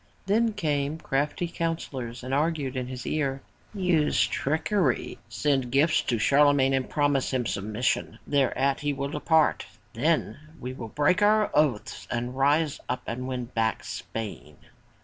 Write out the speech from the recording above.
Then came crafty counsellors and argued in his ear, "Use trickery. Send gifts to Charlemagne and promise him submission. Thereat he will depart. Then we will break our oath, rise up and win back Spain!''